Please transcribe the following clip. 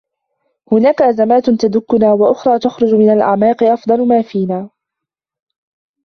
هناك أزمات تدكنا وأخرى تخرج من الأعماق أفضل ما فينا